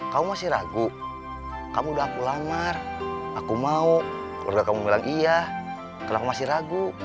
kamu masih ragu kamu udah aku lamar aku mau keluarga kamu bilang iya kenapa masih ragu